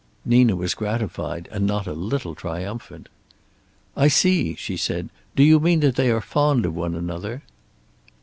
Nina was gratified and not a little triumphant. "I see," she said. "Do you mean that they are fond of one another?"